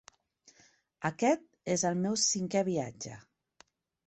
Aquest és el meu cinquè viatge.